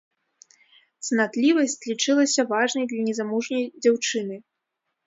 Цнатлівасць лічылася важнай для незамужняй дзяўчыны.